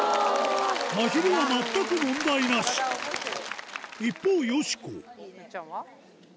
まひるは全く問題なし一方よしこよっちゃんは？